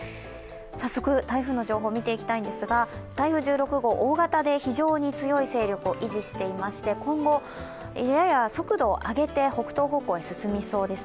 早速、台風の情報を見ていきたいんですが、台風１６号大型で非常に強い勢力を維持していまして今後、やや速度を上げて北東方向へ進みそうです。